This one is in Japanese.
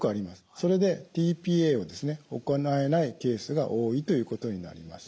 それでｔ−ＰＡを行えないケースが多いということになります。